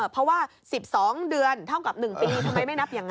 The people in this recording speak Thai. เพราะว่า๑๒เดือนเท่ากับ๑ปีทำไมไม่นับอย่างนั้น